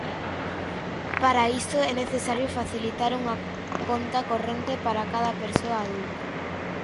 Para iso é necesario facilitar unha conta corrente para cada persoa adulta.